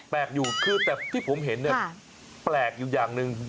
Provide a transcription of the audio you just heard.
แปลกอยู่คือแต่ที่ผมเห็นเนี่ยแปลกอยู่อย่างหนึ่ง